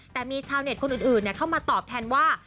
แต่มีชาวเน็ตคนอื่นเข้ามาตอบแทนว่า